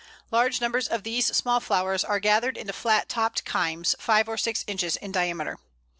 Large numbers of these small flowers are gathered into flat topped cymes, five or six inches in diameter.